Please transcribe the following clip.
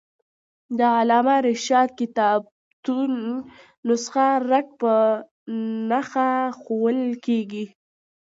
د علامه رشاد کتابتون نسخه رک په نخښه ښوول کېږي.